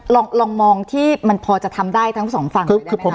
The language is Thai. ลองมองที่มันพอจะทำได้ทั้งสองฝั่ง